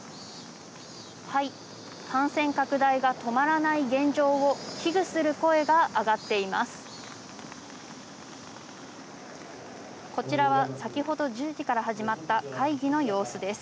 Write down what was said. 感染拡大が止まらない現状を危惧する声が上がっています。